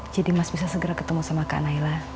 jadi mas bisa segera ketemu sama kak naila